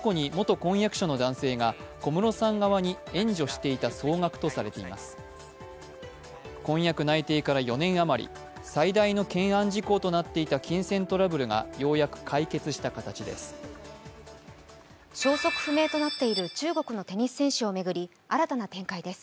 婚約内定から４年余り、最大の懸案事項となっていた金銭トラブルがようやく解決した形です。